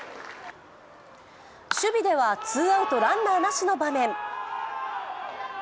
守備ではツーアウト・ランナーなしの場面。